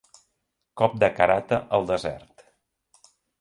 Cop de karate al desert